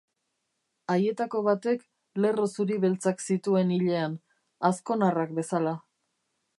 Haietako batek lerro zuri-beltzak zituen ilean, azkonarrak bezala.